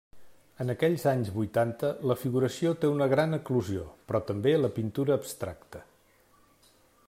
En aquells anys vuitanta, la figuració té una gran eclosió, però també la pintura abstracta.